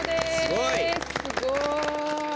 すごい！